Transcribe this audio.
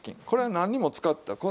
これは何も使って。